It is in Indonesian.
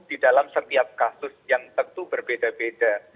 di dalam setiap kasus yang tentu berbeda beda